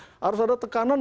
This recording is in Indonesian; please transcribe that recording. saya kira harus ada tekanan